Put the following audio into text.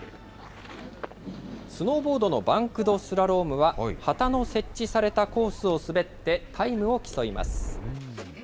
スノーボードのバンクドスラロームは、旗の設置されたコースを滑って、タイムを競います。